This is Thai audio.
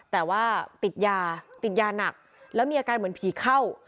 แต่ว่าติดยาติดยาหนักแล้วมีอาการเหมือนผีเข้า